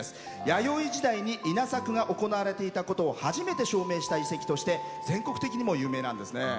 弥生時代に稲作が行われていたことを初めて証明した遺跡として全国的にも有名なんですね。